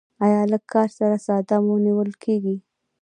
ایا لږ کار سره ساه مو نیول کیږي؟